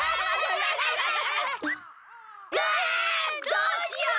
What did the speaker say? どうしよう！